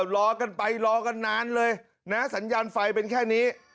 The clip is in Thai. รอกันไปรอกันนานเลยนะสัญญาณไฟเป็นแค่นี้